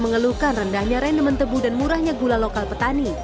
mengeluhkan rendahnya rendemen tebu dan murahnya gula lokal petani